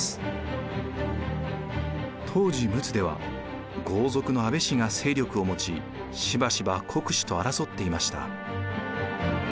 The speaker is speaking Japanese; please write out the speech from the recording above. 当時陸奥では豪族の安倍氏が勢力を持ちしばしば国司と争っていました。